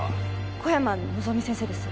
小山希望先生です